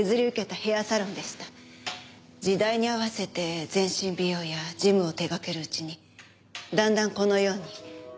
時代に合わせて全身美容やジムを手掛けるうちにだんだんこのように。